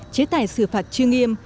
chế tải xử phạt chưa nghiêm